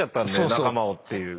仲間をっていう。